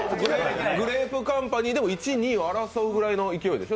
グレープカンパニーでも１位２位を争うぐらいの勢いでしょう。